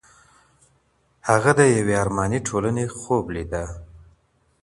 هغه د يوې ارماني ټولني خوب ليده.